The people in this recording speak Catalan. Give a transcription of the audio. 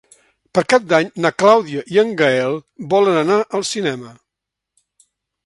Per Cap d'Any na Clàudia i en Gaël volen anar al cinema.